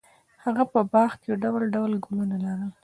هغه په باغ کې ډول ډول ګلونه لرل.